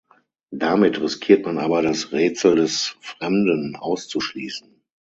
Damit riskiert man aber das „Rätsel des Fremden“ auszuschließen.